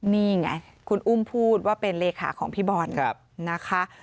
นี่ไงคุณอุ้มพูดว่าเป็นเลขาของพี่บอลนะคะ